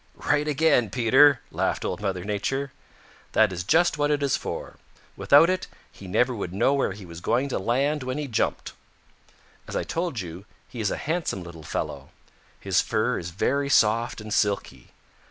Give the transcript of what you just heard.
"Right again, Peter," laughed Old Mother Nature. "That is just what it is for. Without it, he never would know where he was going to land when he jumped. As I told you, he is a handsome little fellow. His fur is very soft and silky.